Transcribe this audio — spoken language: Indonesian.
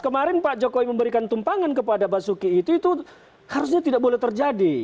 kemarin pak jokowi memberikan tumpangan kepada basuki itu itu harusnya tidak boleh terjadi